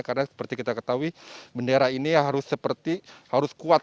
karena seperti kita ketahui bendera ini harus kuat